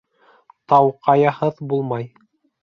Тау ҡаяһыҙ булмай.